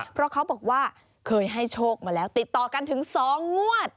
เพราะเขาบอกว่าเคยให้โชคมาแล้วติดต่อกันถึง๒งวด